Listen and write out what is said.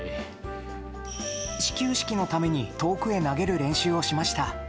始球式のために遠くへ投げる練習をしました。